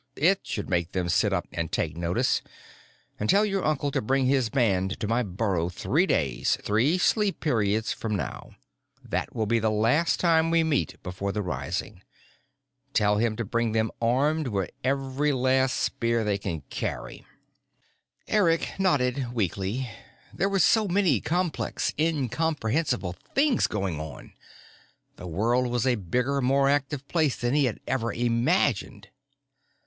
It should make them sit up and take notice. And tell your uncle to bring his band to my burrow three days three sleep periods from now. That will be the last time we meet before the rising. Tell him to bring them armed with every last spear they can carry." Eric nodded weakly. There were so many complex, incomprehensible things going on! The world was a bigger, more active place than he had ever imagined.